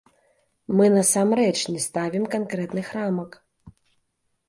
Мы насамрэч не ставім канкрэтных рамак.